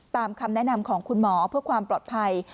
คำแนะนำของคุณหมอเพื่อความปลอดภัย